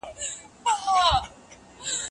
که ازموينې په مورنۍ ژبه وي ناسم جواب ولې نه زياتېږي؟